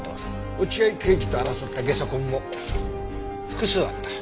落合刑事と争ったゲソ痕も複数あった。